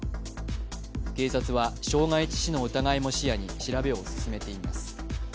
警察は傷害致死の疑いも視野に調べを進めています。